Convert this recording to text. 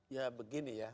ya begini ya